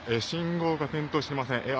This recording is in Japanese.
信号が点灯していません